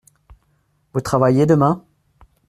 Vous travaillez demain ?